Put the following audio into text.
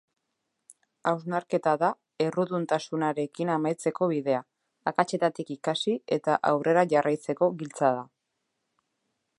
Hausnarketa da erruduntasunarekin amaitzeko bidea, akatsetatik ikasi eta aurrera jarraitzeko giltza da.